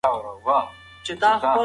آیا خواخوږي د انساني ټولنې ځانګړنه ده؟